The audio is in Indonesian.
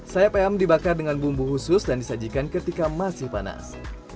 sayap ayam dibakar dengan bumbu khusus dan disajikan ketika masih panas